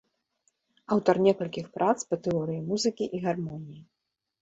Аўтар некалькіх прац па тэорыі музыкі і гармоніі.